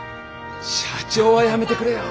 社長はやめてくれよ。